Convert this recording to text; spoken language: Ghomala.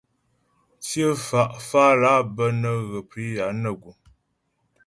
Tsyə fá fálà bə́ nə́ ghə priyà nə guŋ.